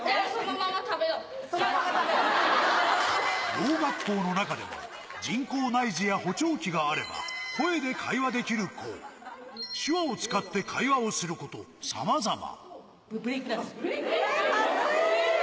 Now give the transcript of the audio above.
ろう学校の中でも、人工内耳や補聴器があれば声で会話できる子、手話を使って会話をする子と、さまざま。